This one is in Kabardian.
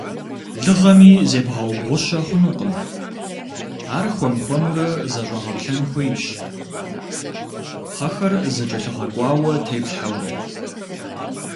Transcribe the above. Лыгъэми зебгъэубгъущэ хъунукъым, ар хуэм-хуэмурэ зэщӀэгъэплъэн хуейщ, пхъэхэр зэкӀэлъыгъэкӀуауэ теплъхьэурэ.